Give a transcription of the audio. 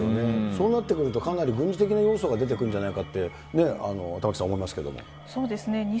そうなってくると、かなり軍事的な要素が出てくるんじゃないかって玉城さん、思いまそうですね。